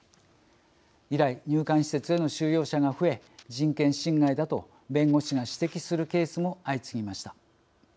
以来、入管施設への収容者が増え人権侵害だと弁護士が指摘するケースも相次ぎました。